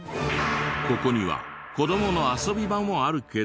ここには子どもの遊び場もあるけど。